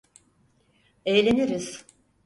Eğleniriz.